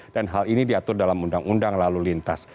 hal ini diatur dalam undang undang lalu lintas